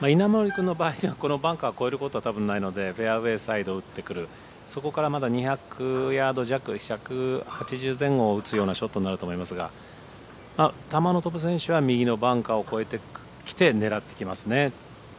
君の場合はこのバンカーを越えることはたぶん、ないのでフェアウエーサイド打ってくるそこから２００ヤード弱、１８０前後を打つようなショットになると思いますが球の飛ぶ選手は右のバンカーを越えてきて狙ってきますね。